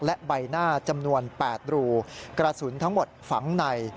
และใบหน้าจำนวน๘รูกระสุนทั้งหมดฝังใน